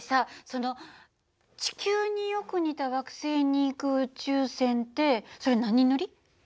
その地球によく似た惑星に行く宇宙船ってそれ何人乗り？